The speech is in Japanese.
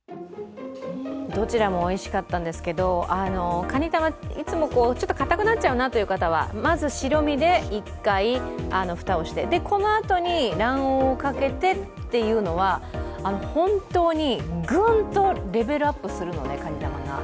どちらもおいしかったんですけど、かに玉、いつもちょっとかたくなっちゃうという方はまず白身で１回、蓋をして、このあとに、卵黄をかけてっていうのは本当にグンとレベルアップするので、かに玉が。